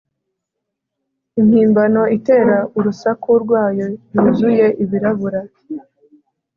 Impimbano itera urusaku rwayo yuzuye ibirabura